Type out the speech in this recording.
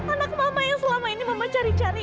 anak mama yang selama ini mama cari cari